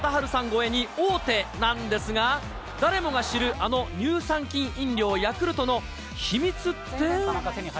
超えに王手なんですが、誰もが知る、あの乳酸菌飲料、ヤクルトの秘密って？